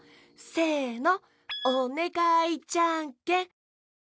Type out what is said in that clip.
せの！